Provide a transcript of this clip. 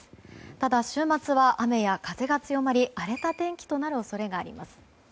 ただ、週末は雨や風が強まり荒れた天気となる恐れがあります。